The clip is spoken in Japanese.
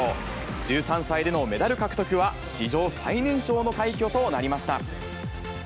１３歳でのメダル獲得は史上最年少の快挙となりました。